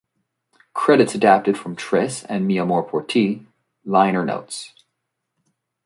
Credits adapted from "Tres" and "Mi Amor Por Ti" liner notes.